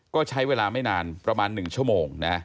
ก็ใช้เวลาไม่นานประมาณ๑ชั่วโมงนะ